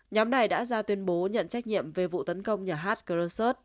nhóm này đã ra tuyên bố nhận trách nhiệm về vụ tấn công nhà hạt khrushchev